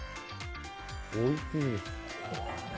おいしい。